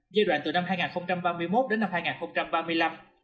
giai đoạn từ năm hai nghìn ba mươi một đến năm hai nghìn ba mươi năm